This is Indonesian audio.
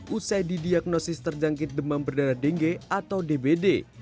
usai didiagnosis terjangkit demam berdarah dengue atau dbd